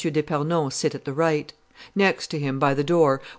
d'Epernon sit at the right. Next to him, by the door, were M.